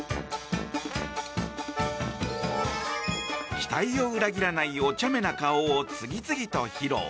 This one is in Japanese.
期待を裏切らないおちゃめな顔を次々と披露。